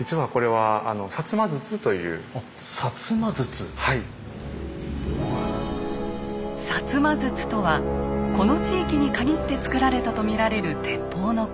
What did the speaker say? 摩筒とはこの地域に限って作られたと見られる鉄砲のこと。